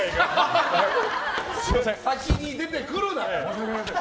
先に出てくるなよ！